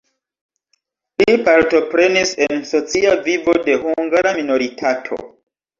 Li partoprenis en socia vivo de hungara minoritato.